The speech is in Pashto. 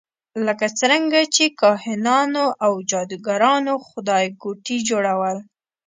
لکه څرنګه چې کاهنانو او جادوګرانو خدایګوټي جوړول.